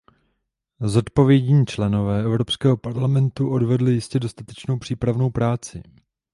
Zodpovědní členové Evropského parlamentu odvedli jistě dostatečnou přípravnou práci.